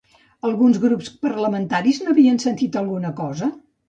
Altres grups parlamentaris n'havien sentit alguna cosa?